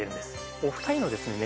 お二人のですね